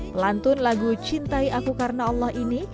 pelantun lagu cintai aku karena allah ini